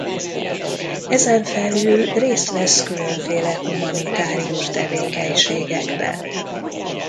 Ezen felül részt vesz különféle humanitárius tevékenységekben.